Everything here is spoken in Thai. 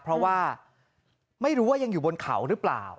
เพราะว่าไม่รู้ว่ายังอยู่บนเขาหรือเปล่า